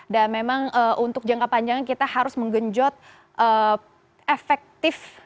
dan memang untuk jangka panjangnya kita harus menggenjot efektif